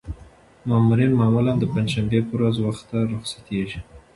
مامورین معمولاً د پنجشنبې په ورځ وخته رخصتېږي.